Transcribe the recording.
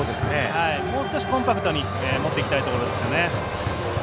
もう少しコンパクトに持っていきたいところですよね。